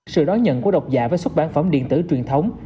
sự đón nhận của độc giả với xuất bản phẩm điện tử truyền thống